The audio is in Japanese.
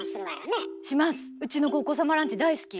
うちの子お子様ランチ大好き。